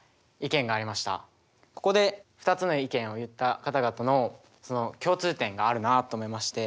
ここで２つの意見を言った方々の共通点があるなと思いまして。